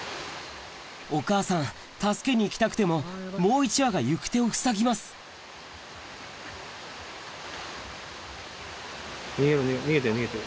お母さん助けに行きたくてももう１羽が行く手をふさぎます逃げろ逃げてる逃げてる。